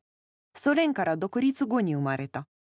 ソ連から独立後に生まれた。